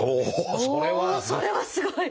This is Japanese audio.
おおそれはすごい！